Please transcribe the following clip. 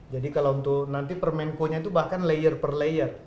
jadi kalau untuk nanti permenkonya itu bahkan layer per layer